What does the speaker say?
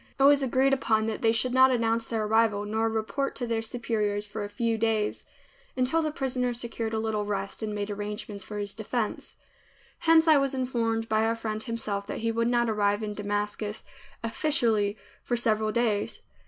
It was agreed upon that they should not announce their arrival nor report to their superiors for a few days until the prisoner secured a little rest and made arrangements for his defense. Hence I was informed by our friend himself that he would not arrive in Damascus "officially" for several days.